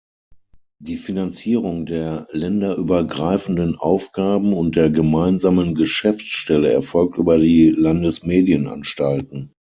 Die Finanzierung der länderübergreifenden Aufgaben und der Gemeinsamen Geschäftsstelle erfolgt über die Landesmedienanstalten.